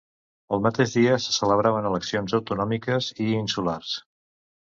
El mateix dia se celebraven eleccions autonòmiques i insulars.